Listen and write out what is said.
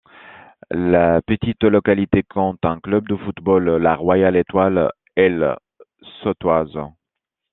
La petite localité compte un club de football, la Royale Etoile Elsautoise.